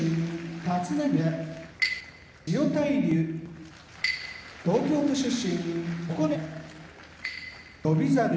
立浪部屋千代大龍東京都出身